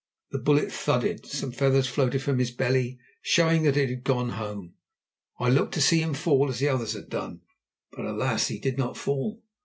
The bullet thudded, some feathers floated from his belly, showing that it had gone home, and I looked to see him fall as the others had done. But alas! he did not fall.